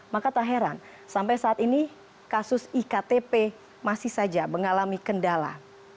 maka tak heran sampai saat ini kasus iktp masih saja mengalami kendala